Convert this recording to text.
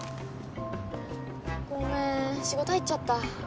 ごめん仕事入っちゃった。